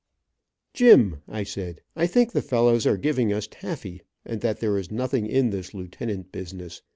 "Jim," I said, "I think the fellows are giving us taffy, and that there is nothing in this Lieutenant business.